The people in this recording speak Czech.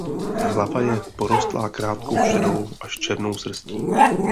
Hlava je porostlá krátkou šedou až černou srstí.